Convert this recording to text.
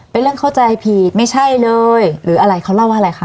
เข้าใจผิดไม่ใช่เลยหรืออะไรเขาเล่าว่าอะไรคะ